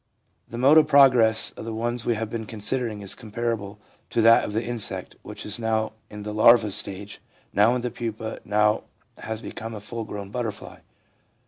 The mode of progress of the ones we have been considering is com parable to that of the insect, which is now in the larva stage, now in the pupa, and now has become a full grown butterfly.